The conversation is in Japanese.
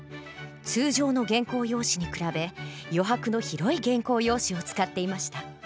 通常の原稿用紙に比べ余白の広い原稿用紙を使っていました。